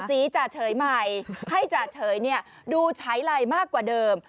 ทาสีจ่าเชยใหม่ให้จ่าเชยดูใช้ไลน์มากกว่าเดิม